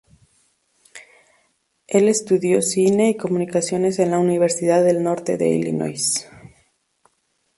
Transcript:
Él estudió cine y comunicaciones en la Universidad del Norte de Illinois.